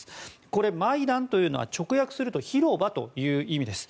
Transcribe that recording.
これ、マイダンというのは直訳すると広場という意味です。